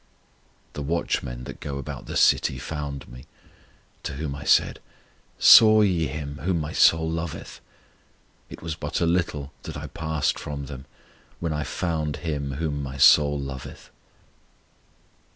The watchmen that go about the city found me: To whom I said, Saw ye Him whom my soul loveth? It was but a little that I passed from them, When I found Him whom my soul loveth.